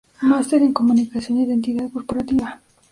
Master en Comunicación e identidad corporativa.